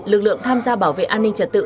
lực lượng tham gia bảo vệ an ninh trật tự